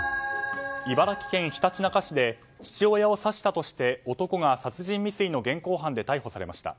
茨城県ひたちなか市で父親を刺したとして男が殺人未遂の現行犯で逮捕されました。